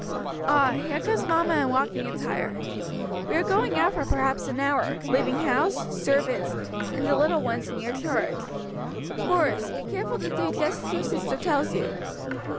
Ah, here comes mamma in walking attire. We are going out for perhaps an hour; leaving house, servants, and the little ones in your charge. Horace, be careful to do just as your sister tells you."